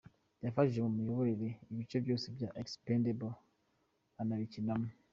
Yafashije mu kuyobora ibice byose bya ‘Expendables’ anabikinamo.